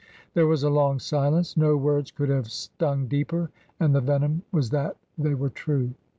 There was a long silence. No words could have stung deeper — and the venom was that they were true.